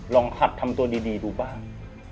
หัดทำตัวดีดูบ้าง